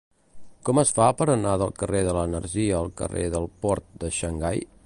Com es fa per anar del carrer de l'Energia al carrer del Port de Xangai?